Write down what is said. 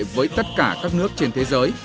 với tất cả các nước trên thế giới